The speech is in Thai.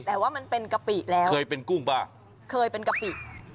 แต่ว่ามันเป็นกะปิแล้วเคยเป็นกุ้งป่ะเคยเป็นกะปิ